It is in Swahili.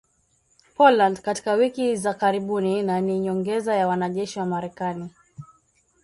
Poland katika wiki za karibuni na ni nyongeza ya wanajeshi wa Marekani